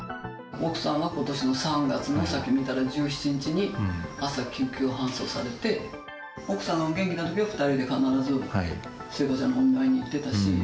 奥さんはことしの３月の、さっき見たら１７日に、朝、救急搬送されて、奥さんが元気だったときは２人で必ず、聖子ちゃんのお見舞いに行ってたし。